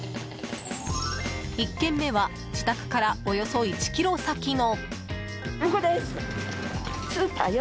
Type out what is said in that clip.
１軒目は自宅からおよそ１ｋｍ先の。